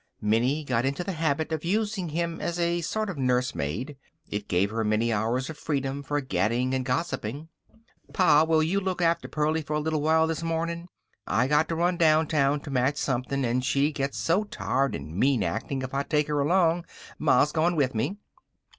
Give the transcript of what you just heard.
Minnie got into the habit of using him as a sort of nursemaid. It gave her many hours of freedom for gadding and gossiping. "Pa, will you look after Pearlie for a little while this morning? I got to run downtown to match something and she gets so tired and mean acting if I take her along. Ma's going with me."